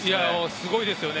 すごいですよね。